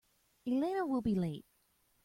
Elena will be late.